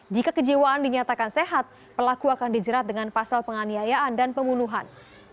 jika kejiwaan dinyatakan sehat pelaku akan dijerat dengan pasal penganiayaan dan pembunuhan